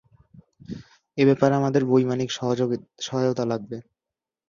এ ব্যাপারে আমাদের বৈমানিক সহায়তা লাগবে।